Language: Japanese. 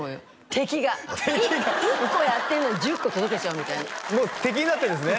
敵が１個やってんのに１０個届けちゃおうみたいなもう敵になってるんですね